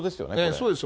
そうですよ。